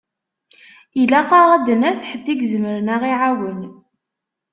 Ilaq-aɣ ad d-naf ḥedd i izemren ad ɣ-iɛawen.